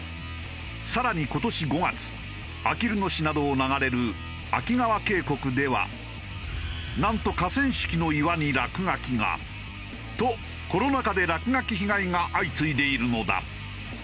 更に今年５月あきる野市などを流れる秋川渓谷ではなんと河川敷の岩に落書きが。とコロナ禍で落書き被害が相次いでいるのだ。